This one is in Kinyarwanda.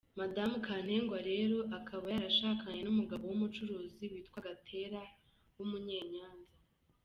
Madame Kantengwa rero akaba yarashakanye n’umugabo w’ Umucuruzi witwa Gatera A. w’ Umunyenyanza.